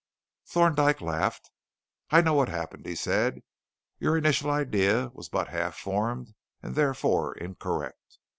Thorndyke laughed. "I know what happened," he said. "Your initial idea was but half formed and therefore incorrect.